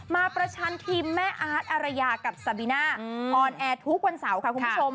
ประชันทีมแม่อาร์ตอารยากับซาบิน่าออนแอร์ทุกวันเสาร์ค่ะคุณผู้ชม